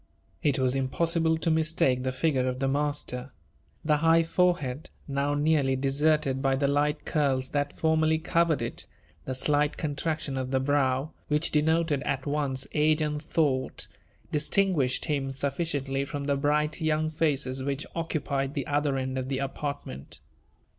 It was impossible to mistake the figure of the master. The high forehead, now nearly deserted by the light curls that formerly covered it — the slight contraction of the brow, which denoted at once age and thought, distinguished him sufficiently from the bright young faces which occupied the other end of the apartment.